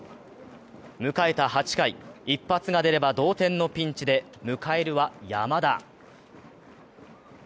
迎えた８回、一発が出れば同点のピンチで迎えるは山田。